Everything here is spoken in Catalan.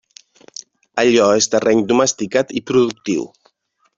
Allò és terreny domesticat i productiu.